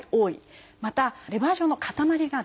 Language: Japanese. またレバー状の塊が出る。